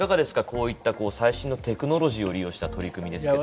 こういった最新のテクノロジーを利用した取り組みですけど。